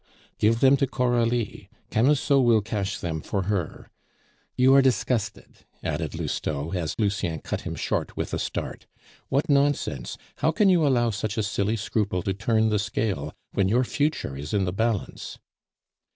"Give them to Coralie; Camusot will cash them for her. You are disgusted," added Lousteau, as Lucien cut him short with a start. "What nonsense! How can you allow such a silly scruple to turn the scale, when your future is in the balance?"